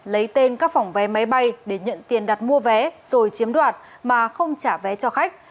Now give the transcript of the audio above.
lấy tên các phòng vé máy bay để nhận tiền đặt mua vé rồi chiếm đoạt mà không trả vé cho khách